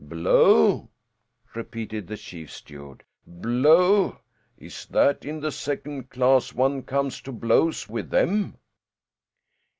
"Blow?" repeated the chief steward. "Blow? Is it that in the second class one comes to blows with them?"